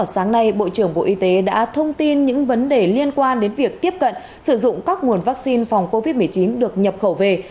sáng nay bộ trưởng bộ y tế đã thông tin những vấn đề liên quan đến việc tiếp cận sử dụng các nguồn vaccine phòng covid một mươi chín được nhập khẩu về